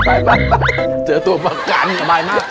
ไปเจอตัวประกันสำหรับมายมากเสร็จป่ะ